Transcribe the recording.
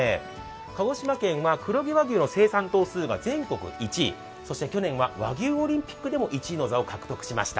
鹿児島県は黒毛和牛の生産頭数が全国１位、そして去年は和牛オリンピックでも１位の座を獲得しました。